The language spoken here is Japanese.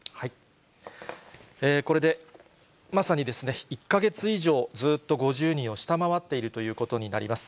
これでまさに、１か月以上、ずっと５０人を下回っているということになります。